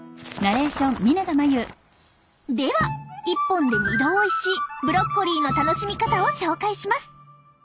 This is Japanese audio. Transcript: では１本で２度おいしいブロッコリーの楽しみ方を紹介します。